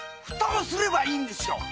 蓋をすればいいんですよ！